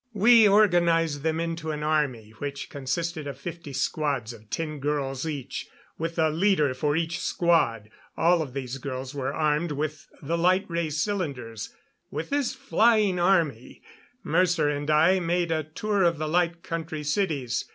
We organized them into an army which consisted of fifty squads of ten girls each, with a leader for each squad. All of these girls were armed with the light ray cylinders. With this "flying army" Mercer and I made a tour of the Light Country cities.